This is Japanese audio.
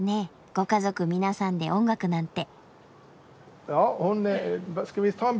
ご家族皆さんで音楽なんて。